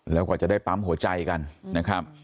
แล้วกว่าจะได้ปั๊มหัวใจกันนะครับ